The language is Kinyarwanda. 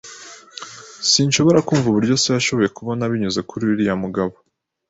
Sinshobora kumva uburyo so yashoboye kubona binyuze kuri uriya mugabo.